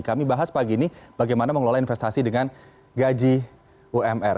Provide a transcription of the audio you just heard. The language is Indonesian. kami bahas pagi ini bagaimana mengelola investasi dengan gaji umr